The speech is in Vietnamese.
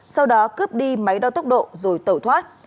sau đó cướp đi máy đo tốc độ rồi tẩu thoát